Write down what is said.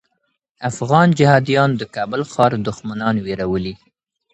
افغان جهاديان د کابل ښار دښمنان ویرولي.